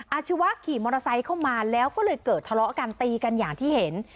อาชีวะขี่มอเตอร์ไซค์เข้ามาแล้วก็เลยเกิดทะเลาะกันตีกันอย่างที่เห็น